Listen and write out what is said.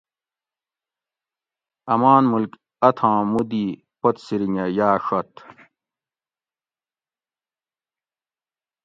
آمان ملک اتھاں مودی پت سرنگہ یا ڛت